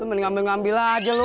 lu mending ambil ambil aja lo